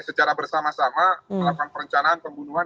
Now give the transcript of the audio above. secara bersama sama melakukan perencanaan pembunuhan